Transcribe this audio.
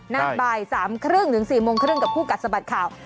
นักบ่าย๓๓๐๔๓๐กับผู้กัดสะบัดข่าว